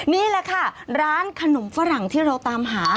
นี่แหละค่ะร้านขนมฝรั่งที่เราตามหา